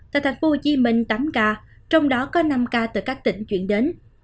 tại tp hcm tám ca trong đó có năm ca từ các tỉnh chuyển đến